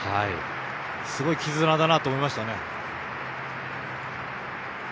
すごい絆だなと思いましたね。